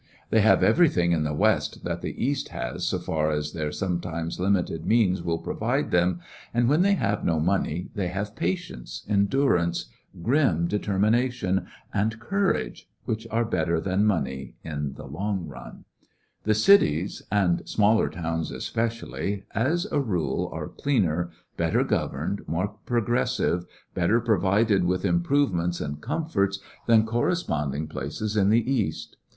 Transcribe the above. They have everything in the West that the East has so far as their sometimes limited means will provide them, and when they have no money, they have pa tience, endurance, grim determination, and courage, which are better than money in the long run. Better every The cities and smaller towns especially, as ^^^towns a rule, are cleaner, better governed, more pro gressive, better provided with improvements and comforts than corresponding places in the East.